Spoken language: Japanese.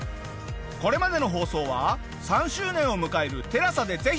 これまでの放送は３周年を迎えるＴＥＬＡＳＡでぜひ！